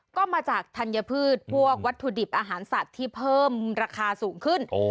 ก็มาจากธัญพืชพวกวัตถุดิบอาหารสัตว์ที่เพิ่มราคาสูงขึ้น